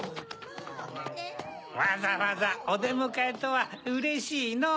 わざわざおでむかえとはうれしいのう！